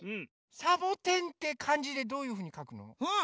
サボテンってかんじでどういうふうにかくの？